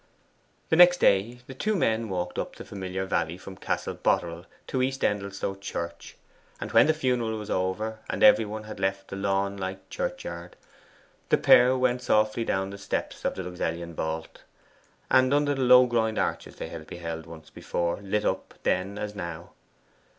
The next day two men walked up the familiar valley from Castle Boterel to East Endelstow Church. And when the funeral was over, and every one had left the lawn like churchyard, the pair went softly down the steps of the Luxellian vault, and under the low groined arches they had beheld once before, lit up then as now.